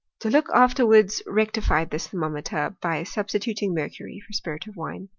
Deluc afterwards rectified this thermometer, by sub stituting mercury for spirit of wine.